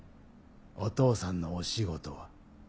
お父さんのお仕事は？